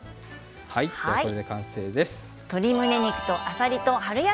これで完成です。